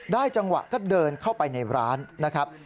จังหวะก็เดินเข้าไปในร้านนะครับ